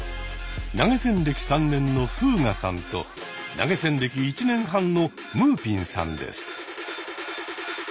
投げ銭歴３年のフーガさんと投げ銭歴１年半のむーぴんさんです。